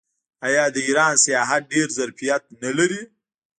آیا د ایران سیاحت ډیر ظرفیت نلري؟